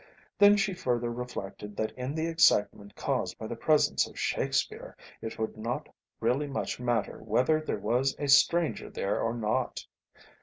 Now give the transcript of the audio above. Then she further reflected that in the excitement caused by the presence of Shakespeare it would not really much matter whether there was a stranger there or not.